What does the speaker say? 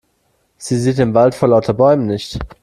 Sie sieht den Wald vor lauter Bäumen nicht.